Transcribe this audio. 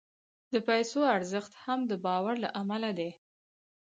د پیسو ارزښت هم د باور له امله دی.